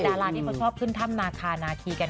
ดาราที่เขาชอบขึ้นถ้ำนาคานาคีกัน